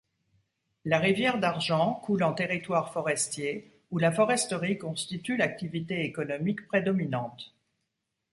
La rivière d'Argent coule en territoire forestier où la foresterie constitue l'activité économique prédominante.